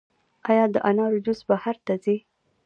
آیا د انارو جوس بهر ته ځي؟